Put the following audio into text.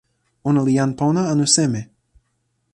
ona li jan pona anu seme?